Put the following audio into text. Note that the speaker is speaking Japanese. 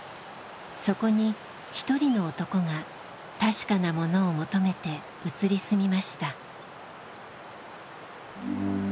そこに一人の男が「確かなもの」を求めて移り住みました。